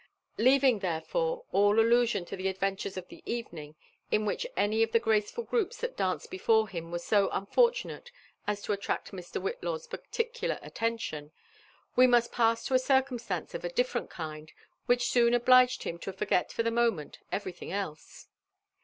Leaving therelore all allusion to the adventures of the evening in which any of the graceful groups that danced before him were so un fortunate as to attract Mr. Whitlaw's particular attention, we must pass to a circumstance of a different kind, which aooo obliged him to forget for the moment everything else.